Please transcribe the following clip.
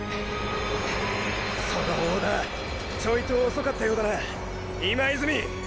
その判断ちょいと遅かったようだな今泉！！